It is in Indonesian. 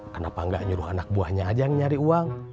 kenapa enggak nyuruh anak buahnya aja yang nyari uang